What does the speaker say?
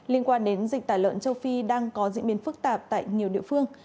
liên quan đến dịch tả lợn châu phi đang có diễn biến phức tạp tại nhiều địa phương